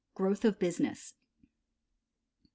GROWTH OF BUSINESS. No.